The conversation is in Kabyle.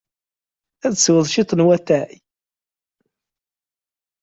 Ad tesweḍ cwiṭ n watay?